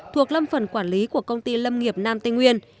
thuộc lâm phần quản lý của công ty lâm nghiệp nam tây nguyên